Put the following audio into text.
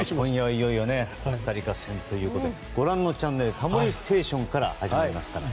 いよいよ今夜はコスタリカ戦ということでご覧のチャンネル「タモリステーション」から始まりますから。